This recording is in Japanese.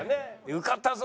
受かったぞ！